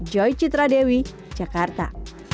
joy citradewi jakarta